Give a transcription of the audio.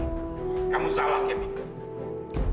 kamu salah kevin